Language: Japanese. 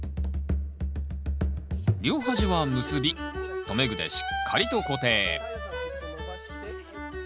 両端は結び留め具でしっかりと固定。